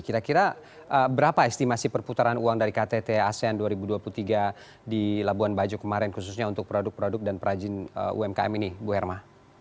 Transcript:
kira kira berapa estimasi perputaran uang dari ktt asean dua ribu dua puluh tiga di labuan bajo kemarin khususnya untuk produk produk dan perajin umkm ini bu herma